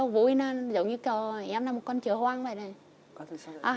để vui nó giống như kiểu em là một con chứa hoang vậy này